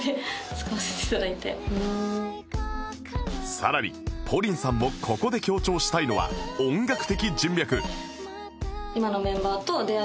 さらに ＰＯＲＩＮ さんもここで強調したいのは音楽的人脈